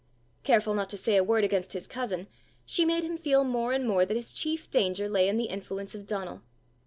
Careful not to say a word against his cousin, she made him feel more and more that his chief danger lay in the influence of Donal.